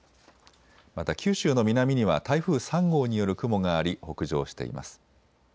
また九州の南には台風３号による雲があり北上しています。